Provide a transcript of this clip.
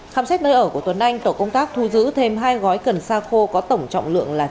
khám xét nơi ở của tuấn anh tổ công tác thu giữ thêm hai gói cần xa khô có tổng trọng lượng là chín năm